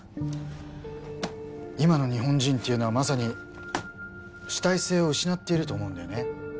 今の日本人っていうのはまさに主体性を失っていると思うんだよね。